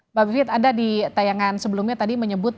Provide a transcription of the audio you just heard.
mbak bivitri ada di tayangan sebelumnya tadi menyebut